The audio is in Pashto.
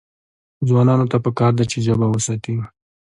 ځوانانو ته پکار ده چې، ژبه وساتي.